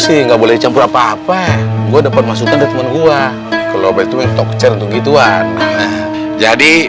sih nggak boleh campur apa apa gua dapat masuk ke teman gua kalau betul untuk cerituan jadi